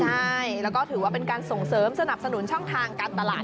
ใช่แล้วก็ถือว่าเป็นการส่งเสริมสนับสนุนช่องทางการตลาด